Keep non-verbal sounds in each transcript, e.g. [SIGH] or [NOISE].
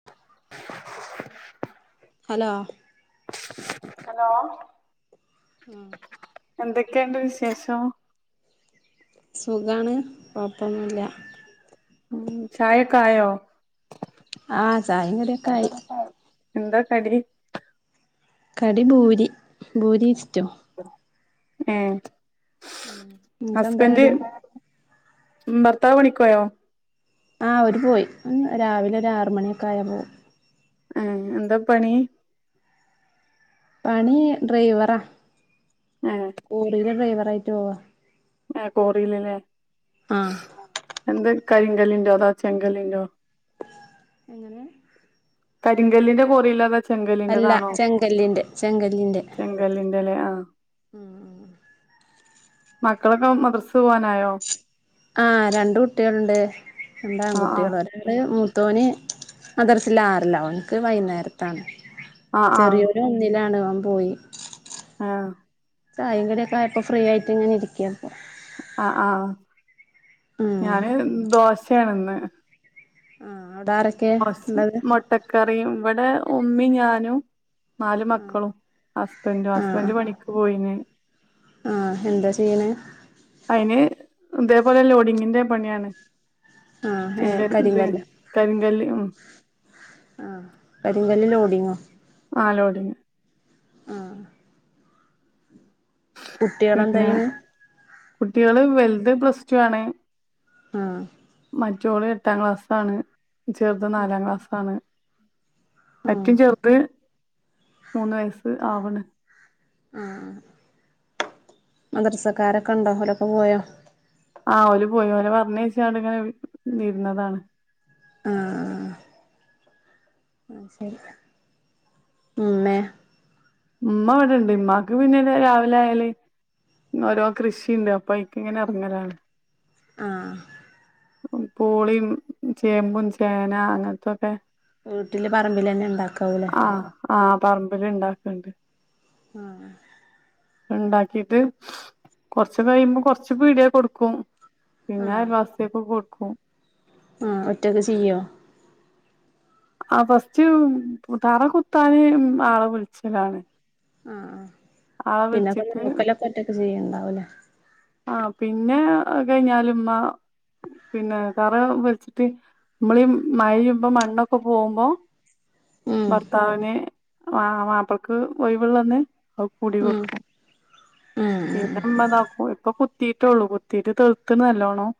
[UNINTELLIGIBLE] Hello hello ആഹ് എന്തൊക്കേണ്ട് വിശേഷം സുഖാണ് കൊഴ്പ്പൊന്നുല്ല ഉം ചായൊക്കായോ ആഹ് ചായിം കടിയൊക്കെ ആയി എന്താ കടി കടി ഭൂരി ഭൂരിം ഇഷ്റ്റും ഏഹ് നിനക്കെന്താ ഹസ്ബൻ്റ് കടി ഭർത്താവ് പണിക്കോയോ ആഹ് ഓരു പോയി രാവിലെ ഒരു ആറ് മണിയൊക്കെ ആയാ പോകും ആഹ് എന്താ പണി പണി ഡ്രൈവറാ ആഹ് കോറിയിലെ ഡ്രൈവറായിട്ട് പോവാ ഏഹ് കോറിലല്ലേ ആഹ് എന്ത് കരിങ്കല്ലിൻ്റോ അതോ ചെങ്കല്ലിൻ്റോ എങ്ങനെ കരിങ്കല്ലിന്റെ കൊറിലോണ് അല്ല ചെങ്കല്ലിന്റെ ചെങ്കല്ലിന്റെ ചെങ്കല്ലിന്റെല്ലേ ആഹ് മക്കളൊക്കെ മദർസ് പോവാനായോ ആഹ് രണ്ട് കുട്ടികളുണ്ട് ആ ആ രണ്ടാൺകുട്ടികൾ ഒരാള് മൂത്തോന് മദറസിലാറില അവനിക്ക് വൈകുന്നേരത്താണ് ആ ആ ചെറിയോന് ഒന്നിലാണ് ഓൻ പോയി ആഹ് ചായിം കടിയൊക്കായപ്പൊ ഫ്രീ ആയിട്ട് ഇങ്ങനെരിക്ക ഇപ്പൊ ആഹ് ആഹ് ഉം ഞാന് ദോശയാണ് ഇന്ന്. ആഹ് അവിടെ ആര മുട്ടക്കറിയും ഇവിടെ ഉമ്മിയും, ഞാനും നാല് മക്കളും, ഹസ്ബന്റും ആഹ് ഹസ്ബന്റ് പണിക്ക് പോയിന്. ആഹ് എന്താ ചെയ്യണേ? അയിന് ഇതേപോലെ ലോഡിങ്ങിന്റെ പണിയാണ് ആഹ് ഏ ചെങ്കൽ ഇത് കരിങ്കല്ല് കരിങ്കല്ല് ഉം ആഹ് കരിങ്കല്ല് ലോടിങ്ങോ? ആഹ് ലോടിങ്ങ് ആഹ് പിന്നെ കുട്ടികളെന്തായ്യ്ണ് കുട്ടികള് വെൽത് പ്ലസ് ടു ആണ്. ആഹ് മറ്റോള് എട്ടാം ക്ലാസ്സാണ്, ചെർത് നാലാം ക്ലാസ്സാണ്. ആഹ് ഏറ്റും ചെറുത് മൂന്ന് വയസ്സ് ആവുണ്. ആഹ് ആഹ് മദർസക്കാരൊക്കെ ഉണ്ടോ ഓലൊക്കെ പോയോ? ആഹ് ഓല് പോയി ഓലെ പറഞ്ഞയ്ച്ചാണ്ട് ഇങ്ങനെ ഇര്ന്നതാണ്. ആഹ് ആഹ് അത്ശരി ഉമ്മെ? ഉമ്മ ഇവിടെണ്ട് ഉമ്മാക്ക് പിന്നെ രാവിലെ ആയാല് ഓരോ കൃഷിയുണ്ട് അപ്പം അയ്ക്ക് ഇങ്ങനെ ഇറങ്ങലാണ്. ആഹ് പൂളയും, ചേമ്പും, ചേന, അങ്ങനത്തൊക്കെ വീട്ടില് പറമ്പിൽ തന്നെ ഉണ്ടാക്കാവൂലെ? ആഹ് ആഹ് പറമ്പിൽ ഇണ്ടാക്ക്ണ്ട്. ആഹ് ഉണ്ടാക്കിട്ട് കൊറച്ച് കഴിയുമ്പോ കൊറച്ച് പീടിയ കൊടുക്കും പിന്നെ അയൽവാസി യക്ക് കൊടുക്കും. ആഹ ഒറ്റക്ക് ചെയ്യോ? ആഹ ഫസ്റ്റ് തറ കുത്താന് ആളെ വിളിച്ചലാണ്. ആഹ ആ ആളെ പിന്നെക്കെ വിളിച്ചിട്ട് നോക്കലൊക്കെ ഒറ്റക്കെ ചെയ്യണ്ടാവുംലേ? ആഹ പിന്നെ കഴിഞ്ഞാലുംമ്മ പിന്നെ തറ വെച്ചിട്ട് നമ്മള് ഈ മഴയ്യുമ്പോ മണ്ണൊക്കെ പോകുമ്പോ ഉം ഭർത്താവിന് ആ മാപ്പിൾക്ക് ഒയിവ്ള്ളന്ന് അവ കൂടി ഉം കൊടുക്കും. ഉം പിന്ന ഉമ്മ ഇ താക്കും. ഇപ്പൊ കുത്തീട്ടുള്ളൂ കുത്തീട്ട് തീർത്ത്നല്ലോണം.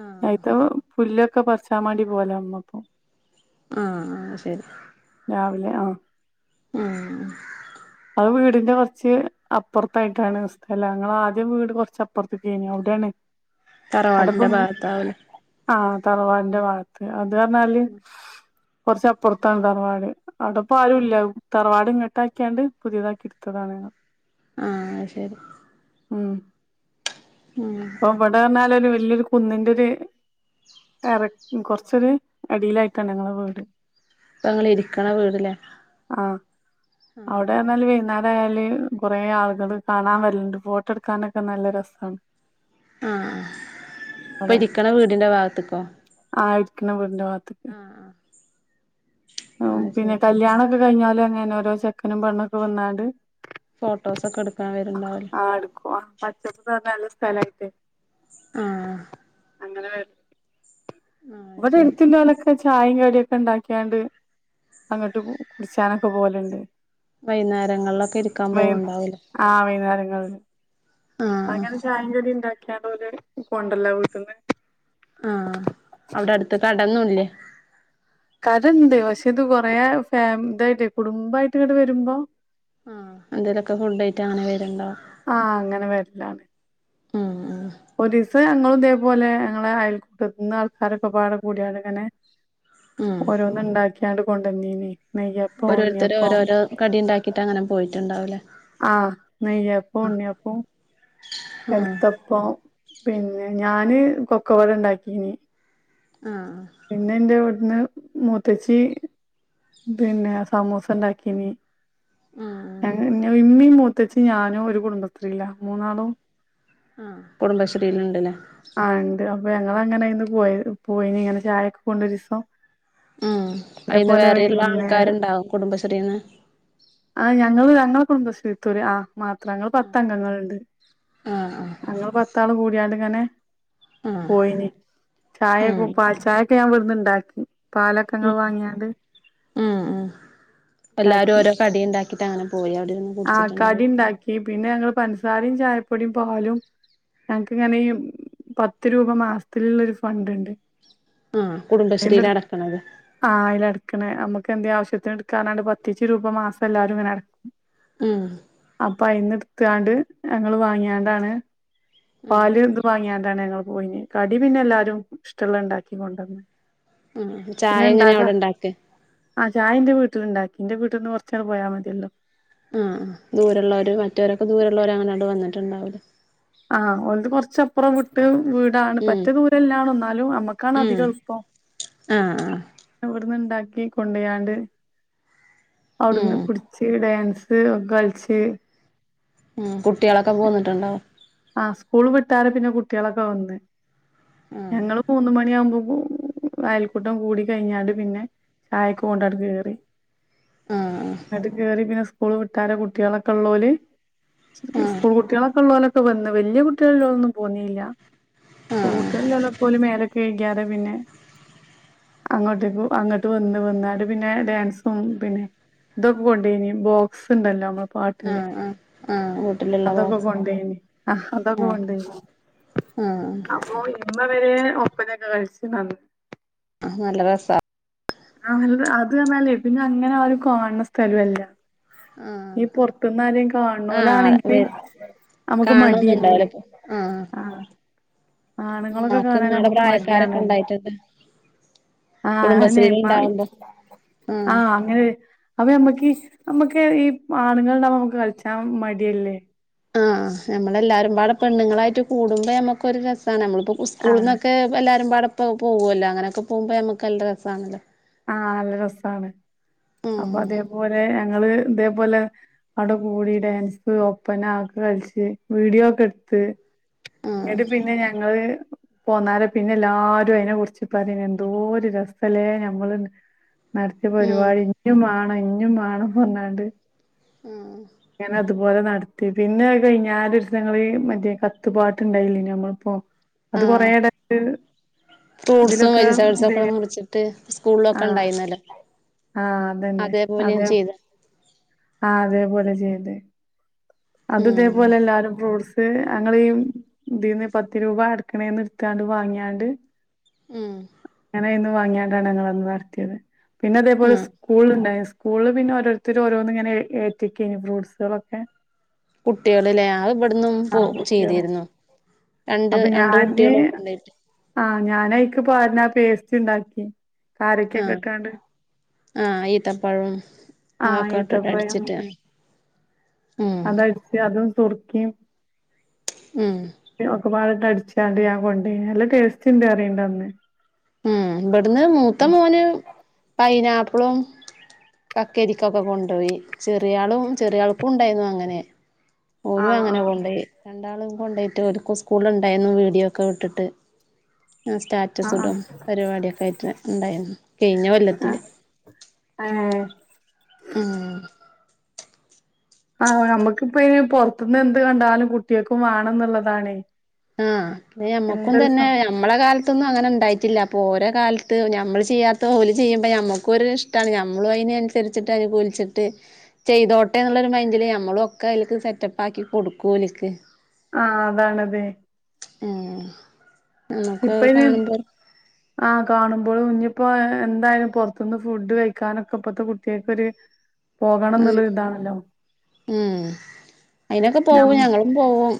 ഉം അയ്ത്ത പുല്ലൊക്കെ പറിച്ചാൻ മാണ്ടി പോയതാണ് ഇമ്മ ഇപ്പം ആഹ ശരി രാവിലെ ആഹ ഉം അത് വീടിന്റെ കുറച്ച് അപ്പുറത്തായിട്ടാണ് സ്ഥലം, ഞങ്ങളെ ആദ്യം വീട് കുറച്ച് അപ്പുറത്ത്ക്കേനി അവിടെണ്. തറവാടിന്റെ അവിടപ്പം ഭാഗത്താവൂലേ ആഹ തറവാടിന്റെ ഭാഗത്ത് അത് പർഞ്ഞാല് കുറച്ചപ്പുറത്താണ് തറവാട്. അവിടപ്പ ആരു ഇല്ല തറവാട് ഇങ്ങോട്ട ആക്കിയാണ്ട് പുതിയതാക്കി ഇടുത്തതാണ്. ആഹ ശരി. ഉം ഉം അപ്പൊ വിടർഞ്ഞാല് ഒരു വല്യൊരു കുന്നിന്റെ ഒരു എർക്ക് കൊറച്ചരു അടിയിലായിട്ടാണ് ഞങ്ങളുടെ വീട്. ഇപ്പ ങ്ങള് ഇരിക്കണ വീട്ലേ ആഹ ഇവിടെർഞ്ഞാല് വൈന്നാരം ആയാല് കുറെ ആളുകള് കാണാൻ വര്ല്ലണ്ട് ഫോട്ടോ എടുക്കാനൊക്കെ നല്ല രസാണ്. [INAUDIBLE] ആഹ് ഇപ്പ ഇരിക്കണ വീടിന്റെ ഭാഗത്ത്ക്കോ ആഹ് ഇരിക്കണ വീടിന്റെ ഭാഗത്തക്ക് ആഹ് പിന്നെ ശരി കല്യാണ കഴിഞ്ഞാല് അങ്ങനെ ഓരോ ചെക്കനും പെണ്ണൊക്കെ വന്നാണ്ട് ഫോട്ടോസൊക്കെ എടുക്കാൻ വരണ്ടാവെല്ല ആഹ എടുക്കും ആ പച്ചപ്പ നിറഞ്ഞ നല്ല സ്ഥലായിട്ട് ആഹ് അങ്ങനെ വരു ആഹ് അത് ഇവടെ ശരി എടുത്തില്ലോലൊക്കെ ചായയും കടിയൊക്കെ ഇണ്ടാക്കിയാണ്ട് അങ്ങട്ട് കുടിച്ചാനൊക്കെ പോവലിണ്ട് വൈന്നേരങ്ങളിലൊക്കെ ഇരി വൈ ആഹ് വൈന്നേരങ്ങളില് ആഹ് അതങ്ങനെ ചായേം കടി ഉണ്ട ഉണ്ടാക്കിയർ കൊണ്ടർലാവും വീട്ടീന്ന് ആഹ് അവടെ അടുത്ത് കടൊന്നുംല്ലേ കടണ്ട് പക്ഷെ ഇത് കൊറേ ഫാമ ഇതായിട്ട് കുടുംമ്പായിട്ട് ഇങ്ങട് വരുമ്പോ ആഹ് എന്തേലൊക്കെ ഫുഡ്‌ ആയിട്ട് അങ്ങന വരുണ്ടാവും. ആഹ അങ്ങന വരലാണ് ഉം ഉം ഒരീസം ഞങ്ങളും ഇതേപോലെ ഞങ്ങളെ അയൽക്കൂട്ടത്തിന്ന് ആൾക്കാരൊക്കെപാട കൂടിയാണ്ട് ഇങ്ങനെ ഉം ഓരോന്ന് ഇണ്ടാക്കിയാണ്ട് കൊണ്ടന്നീന് നെയ്യപ്പം ഓരോരുത്തര് ഉണ്ണിയപ്പം ഓരോരോ കടി ഇണ്ടാക്കിട്ട് അങ്ങനെ പോയിട്ടുണ്ടാവുലേ ആഹ് നെയ്യപ്പൊ ഉണ്ണിയപ്പൊ ഉം കൽത്ത പ്പം പിന്നെ ഞാന് പൊക്കവട ഇണ്ടാക്കീന് ആഹ് പിന്നെ ഇന്റെ ഇവിടന്ന് മൂത്തച്ചി പിന്നെ സമൂസ ഉണ്ടാക്കീന് ഉം ഇമ്മീ മൂത്തച്ചീ ഞാനും ഒരു കുടുംബശ്രീല മൂന്നാളും ആഹ് കുടുംബശ്രീലിണ്ട്ലെ ആഹ് ഇണ്ട് അപ്പൊ ഞങ്ങള് അങ്ങനെ അയിന്ന് പോയി പോയിനി ഇങ്ങനെ ചായൊക്കെ കൊണ്ടൊരീസം ആഹ് അയിന്ന് അതേപോലെ വേറിം ഇള്ള വൈകുന്നേരം ആൾക്കാരിണ്ടാവും കുടുംബശ്രീന്ന് ആഹ് ഞങ്ങള് ഞങ്ങളെ കുടുംബശ്രീത്തോര് ആഹ് മാത്രം ഞങ്ങള് ആഹ് പത്ത് അംഗങ്ങളിണ്ട് ആഹ് ഞങ്ങള് പത്താള് കൂടിയാണ്ട് ഇങ്ങനെ ആഹ് പോയിന് ഉം ചായയൊക്കെ പാൽ ചായൊക്കെ ഞാൻ ഇവടന്ന് ഇണ്ടാക്കി. പാലൊക്കെങ്ങള് വാങ്ങിയാണ്ട് ഉം ഉം എല്ലാരും ഇണ്ടാക്കി ഓരോ കടി ഇണ്ടാക്കിട്ട് അങ്ങനെ പോയി അവിടിരുന്ന് ആഹ് കടി ഇണ്ടാക്കി പിന്നെ ഞങ്ങള് പൻസാരി ചായപ്പൊടി പാലും ഞങ്ങക്ക് ഇങ്ങനെ ഈ പത്ത് രൂപ മാസത്തിലുള്ളൊരു ഫണ്ട് ഇണ്ട് ആഹ് കുടുംബശ്രീല് അടക്കണത് ആഹ് അയിലടക്കണേ നമ്മക്ക് എന്തെ ആവശ്യത്തിന് എടുക്കാനാണ്ട് പത്തീച്ച് രൂപ മാസം എല്ലാരും ഇങ്ങനെ അടക്ക ഉം അപ്പൊ അയിന്ന്ട്ത്താണ്ട് ഞങ്ങള് വാങ്ങിയാണ്ടാണ് ഉം പാല് എന്തോ വാങ്ങിയാണ്ടാണ് ഞങ്ങള് പോയിനെ കടി പിന്നെ എല്ലാരും ഇഷ്ടള്ള ഇണ്ടാക്കി കൊണ്ടന്ന് ആഹ് ചായ എങ്ങനെ അവടെ ഇണ്ടാക്ക ആഹ് ചായന്റെ വീട്ടിലുണ്ടാക്കി ന്റെ വീട്ടിൽന്ന് കുറച്ചണ് പോയാൽ മതിയല്ലോ ആഹ് ദൂരുള്ളവര് മറ്റോരൊക്കെ ദൂരള്ളവര് അങ്ങനെ അങ്ങട് വന്നിട്ടുണ്ടാവുല്ലേ ആഹ് ഓലത് കൊറച്ചപ്പറം വിട്ട് വീടാണ് ഉം പറ്റേ ദൂരെല്ലാണും നമ്മക്കാണ് ഉം അധിക എളുപ്പം ആഹ് ആഹ് ഇവടന്ന് ഇണ്ടാക്കി കൊണ്ടയാണ്ട് അവിടന്ന് ഉം കുടി ച്ച് ഡാൻസ് ഒക്കെ കളിച്ച് ഉം കുട്ട്യേളൊക്കെ പോന്നിട്ടുണ്ടാവും ആഹ് സ്കൂള് വിട്ടാരെ പിന്നെ കുട്ട്യാളൊക്കെ വന്ന് ആ ഞങ്ങളും മൂന്ന്‌ മണിയാവുമ്പോ അയൽക്കൂട്ടം കൂടി കഴിഞ്ഞാണ്ട് പിന്നെ ചായെക്കെ കൊണ്ടട് കേറി ആ എന്നിട്ട് കേറി പിന്നെ സ്കൂള് വിട്ടാരെ കുട്ട്യാളൊക്കെ ഉള്ളോല് ആ സ്കൂൾ കുട്ടികളൊക്കെ ഉള്ളോലൊക്കെ വന്ന് വല്യ കുട്ടികള് ഇള്ളോലൊന്നും പോന്നീല്ല സ്കൂൾ കുട്ടികൾ ഇള്ളോലൊപ്പം ഓല് മേലൊക്കെ കഴികിയാരെ പിന്നെ അങ്ങോട്ടേക്ക് അങ്ങട്ട് വന്ന് വന്നാണ്ട് പിന്നെ ഡാൻസും പിന്നെ ഇതൊക്കെ കൊണ്ടയിനി ബോക്സ് ഉണ്ടല്ലോ നമ്മളെ ആ പാട്ടിന്റെ ആ ആ വീട്ടിലുള്ള അതൊക്കെ ബോക്സ് കൊണ്ടയിനിം ആഹ് അതൊക്കെ ആ കൊണ്ടയ്നോ ആ ഓഹ് ഇമ്മ വരെ ഒപ്പനൊക്കെ കളിച്ച്ണ് അന്ന് ആഹ് നല്ല രസാ ആഹ് നല്ലത് അത് പറഞ്ഞാലേ പിന്നെ അങ്ങനെ ആരും കാണണ സ്ഥലോല്ല ആ ഈ പൊറത്ത്ന്ന് ആരേലും ആ കാണണോലാണെങ്കില് വെ നമുക്ക് മടിയല്ലേ കാണുന്നുണ്ടാവൂലേ ഇപ്പൊ ആ ആഹ് ആണുങ്ങളൊക്കെ ഉമ്മാക്ക് കാണാണെ ഉമ്മാടെ നമ്മക്ക് പ്രായക്കാരൊക്കെ മടിയാണ് ഉണ്ടായിട്ടുണ്ട് ആഹ് കുടുംബശ്രീൽ ഉണ്ടാവുമ്പോ ആ [UNINTELLIGIBLE] ആഹ് അങ്ങനെ അപ്പ നമ്മക്ക് ഈ നമ്മക്ക് ഈ ആണുങ്ങൾ ഉണ്ടാവുമ്പ നമുക്ക് കളിച്ചാ മടിയല്ലേ ആഹ് നമ്മളെല്ലാരും പാടെ പെണ്ണുങ്ങളായിട്ട് കൂടുമ്പോ നമ്മക്കൊരു രസാണ് നമ്മളിപ്പോ ആഹ് ഉസ്കൂൾന്നൊക്കെ എല്ലാവരും പാടെപ്പം പോവോല്ലോ അങ്ങനെയൊക്കെ പോവുമ്പോ നമ്മക്ക് നല്ല രസാണല്ലോ ആഹ് നല്ല രസാണ്. അപ്പൊ ഉം അതേപോലെ ഞങ്ങള് ഇതേപോലെ അവിടെ കൂടി ഡാൻസ് പ്പന ഓക്ക കളിച്ച് വീഡിയോ ക്കെടുത്ത് ഉം ഇന്നട്ട് പിന്നെ ഞങ്ങള് പോന്നാര പിന്നെ എല്ലാരും അയി നെ കുറിച്ച് പറയും എന്തോരു രസല്ലേ ഞമ്മള് ന് നടത്തിയ ഉം പരിപാടി ഇഞ്ഞും വേണം ഇഞ്ഞും വേണം ന്ന് പറഞ്ഞാണ്ട് ഊ ഉഹ് ഞങ്ങ അതുപോലെ നടത്തി പിന്നെ കഴിഞ്ഞാല ഒരുദിവസം ഞങ്ങള് മറ്റേ കത്തുപാട്ട് ട്ട് ണ്ടായില്ല നമ്മളിപ്പോ അത് കൊറേ ആഹ് ടത്ത് ഫ്രൂട്ട്സും വെജിറ്റബിൾസക്കെ മുറിച്ചിട്ട് സ്കൂളിലൊക്കെ ആഹ് ഉണ്ടായിന്നല്ലോ ആഹ് അതന്നെ അതെ ചെയ്ത ആഹ അതേപോലെ ചെയ്തെ അത് ഉം ഇതേപോലെ എല്ലാരും ഫ്രൂഡ്സ് ത് അങ്ങളീ ഇതിന്ന് പത്ത് രൂപ അടക്കണേ ന്ന് ടുത്താണ്ട് വാങ്ങിയാണ്ട് ഉംഹ് അങ്ങനെ അയിന്ന് വാങ്ങിയാണങ്ങളന്ന് നടത്തിയത്. പിന്നെ അതേപോലെസ് ആഹ് കൂള്ണ്ടായി സ്കൂളില് പിന്നെ ഓരോരുത്തര് ഓരോന്ന് ങ്ങനെ ഏറ്റ്ക്കയ്നു ഫ്രൂട്സാളൊക്കെ കുട്ട്യാള്ലേ ആ ഇവിടന്നും പോ ആഹ് കുട്ടികള് ചെയ്തിരുന്നു. രണ്ട് അപ്പൊ രണ്ട് കുട്ടികള ഞാന് കൊണ്ടയിട്ട് ആഹ് ഞാനയിക്ക് പാര്ണ ആ പേസ്റ്റ് ണ്ടാക്കി കാരക്കൊക്കെ ട്ടാണ്ട് ആഹ ഈത്തപ്പഴവും ആഹ് അതൊക്കെ ഇട്ടിട്ട് ഏത്തപ്പഴം അടിച്ചിട്ട് ഉം അതടിച്ച് അതും സുറുക്കിം ഉംഹ്. ഒക്കെ പാടട്ട് അടിച്ചാണണ്ട് ഞാ കൊണ്ടയ്നി നല്ല ടേസ്റ്റ് ണ്ട് അറിണ്ട ന്ന് ഉം ഇബടന്ന് മൂത്ത മോന് പൈയ്‌നാപ്പിളും കക്കരിക്കൊക്കെ കൊണ്ടോയി ചെറിയാളും ചെറിയാ ൾക്കും ഉണ്ടായിന്നു അങ്ങനെ. ഓനു ആഹ് അങ്ങനെ ആഹ് കൊണ്ടോയി രണ്ടാളും കൊണ്ടയിറ്റ് ഓര്ക്ക് സ്കൂള്ല് ണ്ടായിന്നു വീഡിയോ ക്കെ വിട്ടിട്ട് ഞാ സ്റ്റാറ്റസ് ആഹ് ടും പരിപാടിയൊക്കെ ആയിട്ട് ഇണ്ടായിന്നു കഴിഞ്ഞ കൊല്ലത്തില് ആഹ് ഉംഹ് ആഹ് നമ്മുക്കിപ്പയിന് പുറത്ത്ന്നെന്ത് കണ്ടാലും കുട്ട്യാ ക്കും വേണന്നുള്ളതാണേയ് ആഹ് അത് ഞമ്മക്കും തന്നെ നമ്മളെ കാലത്തൊന്നും അങ്ങനെ ഉണ്ടായിട്ടില്ല. അപ്പോ ഓര കാലത്ത് ഞമ്മൾ ചെയ്യാത്ത ഓല് ചെയ്യുമ്പോ ഞമ്മക്കൊര് ട്ടാണ് ഞമ്മളും അയിനനുസരിച്ചിട്ട് അതില് കുലിച്ചിട്ട് ചെയ്തോട്ടേ ന്നുള്ളൊരു മൈന്റില് നമ്മളു ഒക്കെയില്ക്ക് സെറ്റപ്പാക്കി കൊടുക്കു ഓൽക്ക് ആഹ് അതാണതേയ് ആഹ് ഇപ്പയിന് ആഹ് കാണുമ്പഴും ഇനിപ്പോ എന്തായാലും പൊറത്തുന്ന് ഫുഡ് കഴിക്കാനൊക്കെ ഇപ്പത്തെ കുട്ട്യാക്കൊര് ഉം പോകണന്നുള്ളൊരു താണല്ലോ ഉം അയിനൊക്കെ പോവു ഞങ്ങളും പോവും.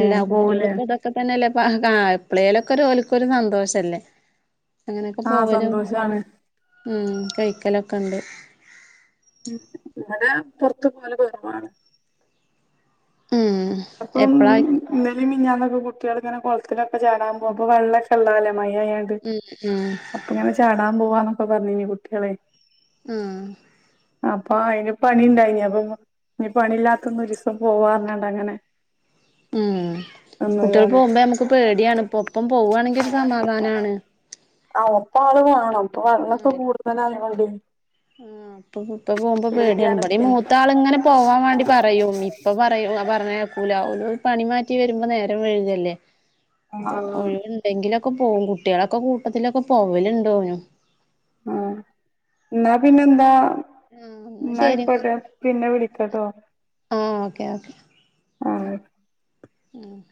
എല്ലാ പോവൂലേ കുട്ടികളിപ്പ തൊ ക്കെ തന്നെയല്ല പ്പ കാ ഇപ്പളേലൊക്കൊരു ഓൽക്കൊരു സന്തോഷല്ലേ അങ്ങനെയൊക്കെ ആഹ് പോവലും സന്തോഷാണ് ഉം കഴിക്കലൊക്കെ ണ്ട് ഉ അങ്ങനെ പൊറത്തു പോവല് കൊറവാണ് ഉംഹ് അപ്പം.. ഇന്നലിം മിഞ്ഞാ ന്നൊക്കെ കുട്ട്യാള് ങ്ങനെ കൊളത്തിലൊക്കെ ചാടാ പോവും പ്പൊ വെള്ളൊക്കെ ള്ളതല്ലേ മയയാണ്ട് ഉം- ഊമ് അപ്പ ഇങ്ങനെ ചാടാൻ പോവാന്നൊക്കെ പറഞ്ഞീനി കുട്ട്യേളെ ആഹ് അപ്പൊ അയിന് പണി ഇണ്ടായിനി അപ്പൊ ഇനി പണി ഇല്ലാത്തന്നൊരൂസം പോവാ പറഞ്ഞാണ്ടങ്ങനെ ഉം കുട്ടികൾ നിന്നതാണ് പോവുമ്പേ നമ്മക്ക് പേടിയാണ് ഇപ്പം ഒപ്പം പോവാണെങ്കി ഒരു സമാധാനാണ് ആഹ് ഒപ്പം ആള് വേണം ഇപ്പ വെള്ളൊക്കെ കൂടുതലായോണ്ടേ ഉം അപ്പൊ ഇപ്പ പോകുമ്പോ പേടിയാണ് ഇവിടെയും മൂത്താളിങ്ങനെ പോവാൻ വേണ്ടി പറയുമ്മി ഇപ്പൊ പറയും ഓൻ പറഞ്ഞാ കേക്കൂലാ ഓല് പണി മാറ്റി വെരുമ്പോ നേരം വഴ്കല്ലേ ആഹ് ഒഴിവ്ണ്ടെങ്കിലൊക്കെ പോവും കുട്ട്യാളെക്കെ കൂട്ടത്തിലൊക്കെ പോവല്ണ്ട് ഓനും ആഹ് ഇന്നാ പിന്നെന്താ? ആഹ് എന്നാ ശരിന്നാ ഇന്നായിക്കോട്ടേ പിന്നെ വിളിക്കാട്ടോ ആഹ് ഓക്കേ ഓക്കേ ആഹ് ഉം